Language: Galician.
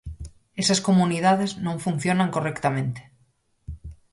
Esas comunidades non funcionan correctamente.